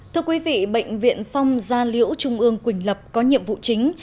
thưa quý vị bệnh viện phong gia liễu trung ương quỳnh lập có nhiệm vụ chính